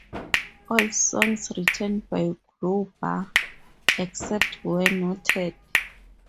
All songs written by Crowbar, except where noted.